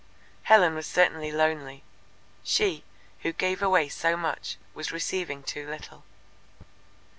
Helen was certainly lonely. She, who gave away so much, was receiving too little.